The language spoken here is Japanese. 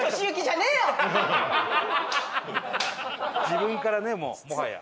自分からねもうもはや。